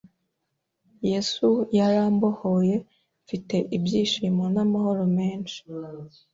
Yesu yarambohoye mfite ibyishimo n’amahoro menshi